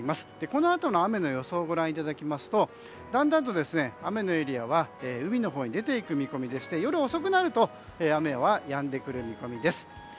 このあとの雨の予想をご覧いただきますとだんだんと雨のエリアは海のほうに出て行く見込みで夜遅くなると雨はやんでくる見込みです。